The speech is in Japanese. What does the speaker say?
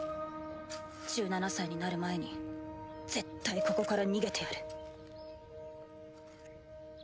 １７歳になる前に絶対ここから逃げてやる。